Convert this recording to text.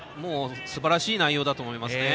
すばらしい内容だと思いますね。